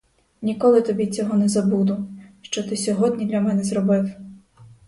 Ніколи тобі цього не забуду, що ти сьогодні для мене зробив.